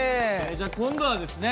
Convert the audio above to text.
じゃあ今度はですね